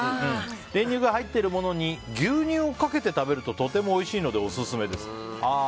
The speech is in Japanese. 練乳が入っているものに牛乳をかけて食べるととてもおいしいのでオススメです。